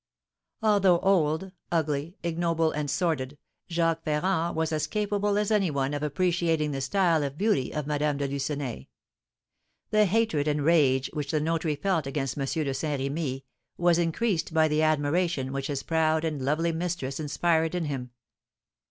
Although old, ugly, ignoble, and sordid, Jacques Ferrand was as capable as any one of appreciating the style of beauty of Madame de Lucenay. The hatred and rage which the notary felt against M. de Saint Remy was increased by the admiration which his proud and lovely mistress inspired in him.